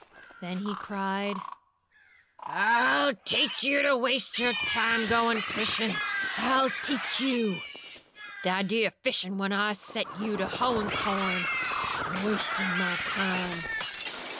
Then he cried: "I'll teach you to waste your time goin' fishin'! I'll teach you! Th' idea o' fishin' when I set you to hoein' corn! Wastin' my time!